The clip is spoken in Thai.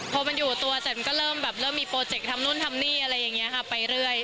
พอมันอยู่ตัวเสร็จมันก็เริ่มแบบเริ่มมีโปรเจกต์ทำนู่นทำนี่อะไรอย่างนี้ค่ะไปเรื่อย